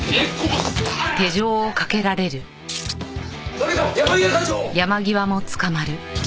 誰か山際課長を！